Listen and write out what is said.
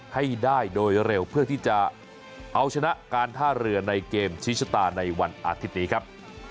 ให้ได้โดยเร็วเพื่อที่จะเอาชนะการท่าเรือในเกมชี้ชะตาในวันอาทิตย์นี้ครับ